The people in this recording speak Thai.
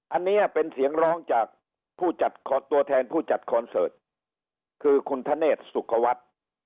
อันนี้เป็นเสียงร้องจากผู้จัดตัวแทนผู้จัดคอนเสิร์ตคือคุณธเนธสุขวัฒน์